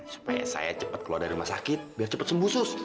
supaya saya cepat keluar dari rumah sakit biar cepat sembuh